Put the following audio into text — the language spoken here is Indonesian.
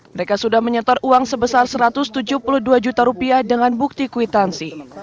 mereka sudah menyetor uang sebesar satu ratus tujuh puluh dua juta rupiah dengan bukti kwitansi